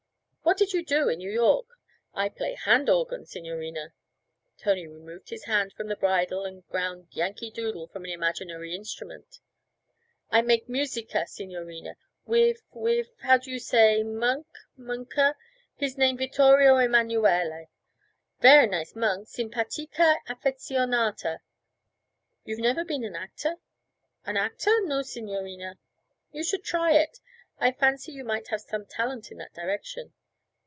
'What did you do in New York?' 'I play hand organ, signorina.' Tony removed his hand from the bridle and ground 'Yankee Doodle' from an imaginary instrument. 'I make musica, signorina, wif wif how do you say, monk, monka? His name Vittorio Emanuele. Ver' nice monk simpatica affezionata.' 'You've never been an actor?' 'An actor? No, signorina.' 'You should try it; I fancy you might have some talent in that direction.'